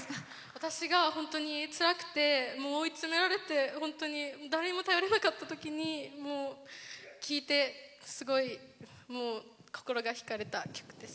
私が、本当につらくて追い詰められて本当に誰にも頼れなかったときに聴いてすごい心がひかれた曲です。